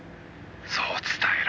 「そう伝えろ」